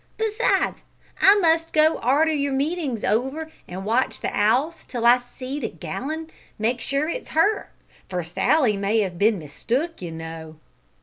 Besides, I must go arter your meeting's over an watch the 'ouse till I see the gal an' make sure that it's her, for Sally may have bin mistook, you know."